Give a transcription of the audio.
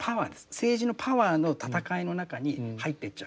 政治のパワーの戦いの中に入っていっちゃう。